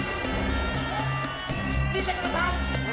見てください！